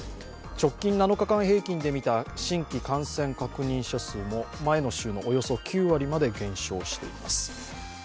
直近７日間平均でみた新規感染確認者数も前の週のおよそ９割まで減少しています。